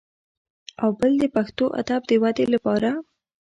او بل د پښتو ادب د ودې لپاره